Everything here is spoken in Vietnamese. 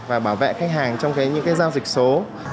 và bảo vệ khách hàng trong những giao dịch số